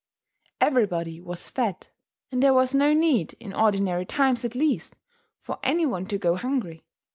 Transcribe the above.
Everybody was fed; and there was no need, in ordinary times at least, for any one to go hungry.